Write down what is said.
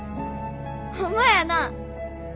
ほんまやな。